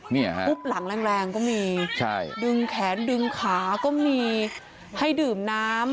นี่ครับใช่ครับดึงแขนดึงขาก็มีให้ดื่มน้ำ